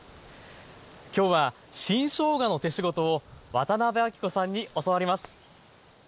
今日は新しょうがの手仕事を渡辺あきこさんに教わります。